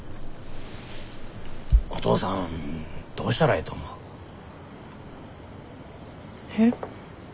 おとうさんどうしたらええと思う？え？